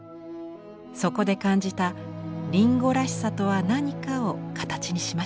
そこで感じた「りんごらしさとは何か」を形にしました。